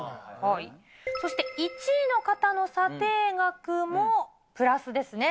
そして１位の方の査定額もプラスですね。